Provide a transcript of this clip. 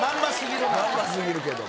まんま過ぎるけど。